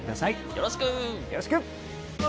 よろしく。